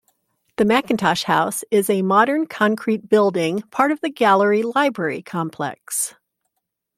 The Mackintosh House is a modern concrete building, part of the gallery-library complex.